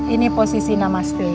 ini posisi namaste